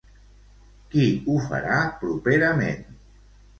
Qui ho farà properament?